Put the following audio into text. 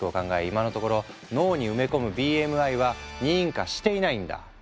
今のところ脳に埋め込むＢＭＩは認可していないんだ。